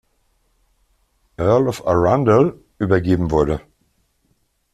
Earl of Arundel, übergeben wurde.